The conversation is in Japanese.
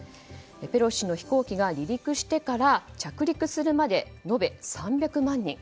ペロシ氏の飛行機が離陸してから着陸するまで延べ３００万人。